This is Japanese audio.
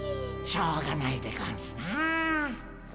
しょうがないでゴンスなあ。